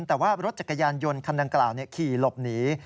แต่ว่ารถจักรยานยนต์คันดังกล่าวขี่หลบหนี